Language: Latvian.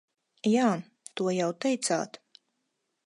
Jā, to jau teicāt.